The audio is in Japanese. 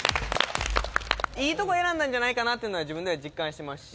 いいとこ選んだんじゃないかなっていうのは自分では実感してますし。